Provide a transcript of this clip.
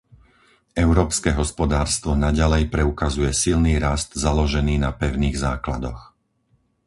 Európske hospodárstvo naďalej preukazuje silný rast založený na pevných základoch.